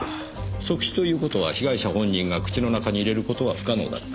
即死という事は被害者本人が口の中に入れる事は不可能だった。